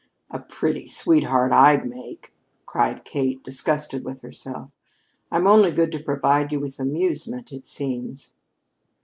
"A pretty sweetheart I'd make," cried Kate, disgusted with herself. "I'm only good to provide you with amusement, it seems."